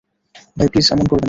ভাই, প্লিজ এমন করবেন না।